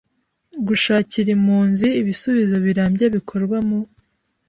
Gushakira impunzi ibisubizo birambye bikorwa mu